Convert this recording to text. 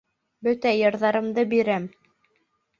Бөтә йырҙарымды бирәм!